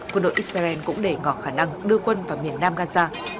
quân đội israel cũng để ngọt khả năng đưa quân vào miền nam gaza